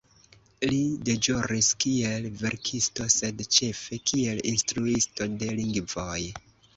Li deĵoris kiel verkisto sed ĉefe kiel instruisto de lingvoj.